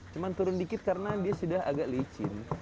cuma turun dikit karena dia sudah agak licin